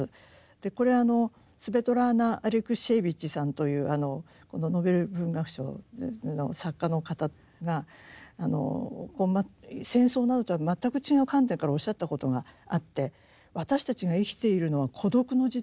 これスヴェトラーナ・アレクシエーヴィチさんというノーベル文学賞の作家の方が戦争などとは全く違う観点からおっしゃったことがあって私たちが生きているのは孤独の時代だと。